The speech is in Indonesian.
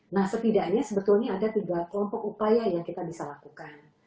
nah setidaknya sebetulnya ada tiga kelompok upaya yang kita bisa lakukan